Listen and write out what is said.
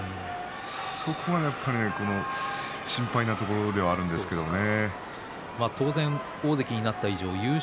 そこがやっぱり心配なところではあるんですけどね。